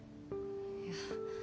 いや。